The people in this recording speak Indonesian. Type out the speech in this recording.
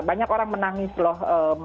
banyak orang menangis loh